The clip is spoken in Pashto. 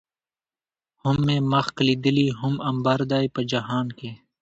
هم مې مښک ليدلي، هم عنبر دي په جهان کې